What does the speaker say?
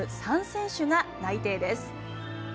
３選手が内定です。